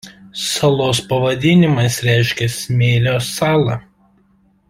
Salos pavadinimas reiškia „smėlio sala“.